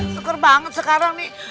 syukur banget sekarang nih